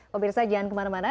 pemirsa jangan kemana mana